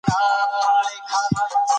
چې سوشل ميډيا زۀ نۀ د شهرت د پاره استعمالووم